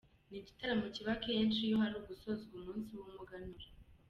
Ni igitaramo kiba akenshi iyo hari gusozwa umunsi w'Umuganura.